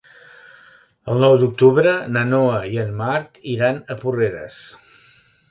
El nou d'octubre na Noa i en Marc iran a Porreres.